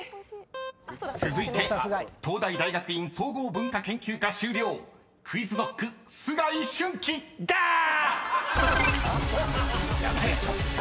［続いて東大大学院総合文化研究科修了ＱｕｉｚＫｎｏｃｋ須貝駿貴］ダーッ！